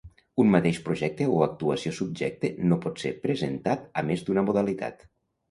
Un mateix projecte o actuació subjecte no pot ser presentat a més d'una modalitat.